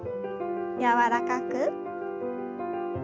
柔らかく。